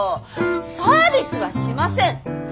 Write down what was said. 「サービスはしません」？